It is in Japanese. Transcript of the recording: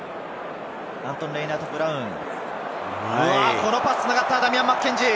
このパス繋がった、ダミアン・マッケンジー！